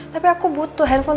tapi aku butuh handphone